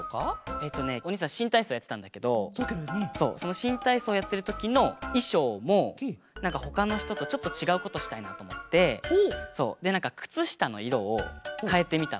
えっとねおにいさんしんたいそうやってたんだけどそうそのしんたいそうやってるときのいしょうもなんかほかのひととちょっとちがうことしたいなとおもってでなんかくつしたのいろをかえてみたの。